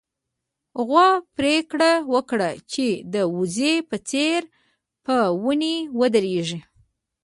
غوا پرېکړه وکړه چې د وزې په څېر په ونې ودرېږي.